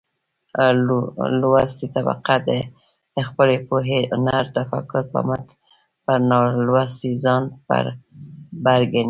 لوستې طبقه د خپلې پوهې، هنر ،تفکر په مټ پر نالوستې ځان بر ګنلى دى.